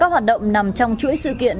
các hoạt động nằm trong chuỗi sự kiện